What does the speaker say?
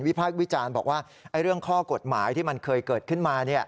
พากษ์วิจารณ์บอกว่าเรื่องข้อกฎหมายที่มันเคยเกิดขึ้นมา